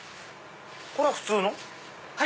これは普通の？